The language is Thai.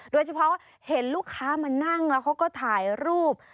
โดยเฉพาะเห็นลูกค้ามานั่งแล้วเขาก็ถ่ายรูป